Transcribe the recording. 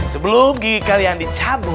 sebelum gigi kalian dicabut